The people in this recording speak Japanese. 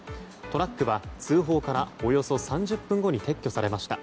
トラックは通報からおよそ３０分後に撤去されました。